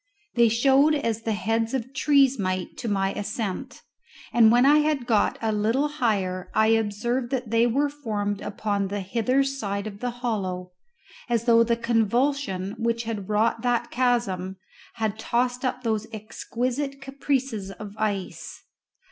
They showed as the heads of trees might to my ascent, and when I had got a little higher I observed that they were formed upon the hither side of the hollow, as though the convulsion which had wrought that chasm had tossed up those exquisite caprices of ice.